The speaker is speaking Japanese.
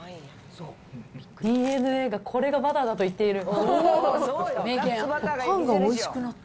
ＤＮＡがこれがバターだと言っている。